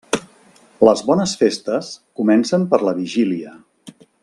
Les bones festes comencen per la vigília.